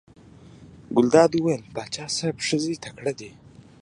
ګلداد وویل: پاچا صاحب ښځې تکړې دي.